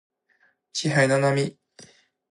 七海娜娜米